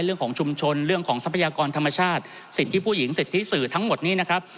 เรื่องของชุมชนเรื่องของทรัพยากรธรรมชาติสิทธิผู้หญิงสิทธิสื่อทั้งหมดนี้นะครับ